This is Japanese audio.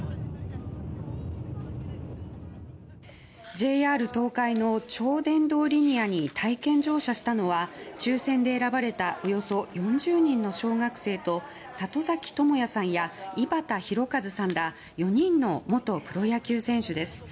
ＪＲ東海の超電導リニアに体験乗車したのは抽選で選ばれたおよそ４０人の小学生と里崎智也さんや井端弘和さんら４人の元プロ野球選手です。